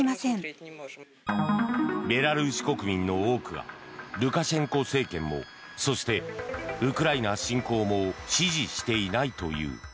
ベラルーシ国民の多くがルカシェンコ政権もそしてウクライナ侵攻も支持していないという。